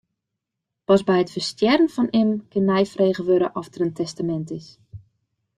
Pas by it ferstjerren fan immen kin neifrege wurde oft der in testamint is.